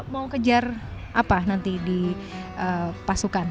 mau kejar apa nanti di pasukan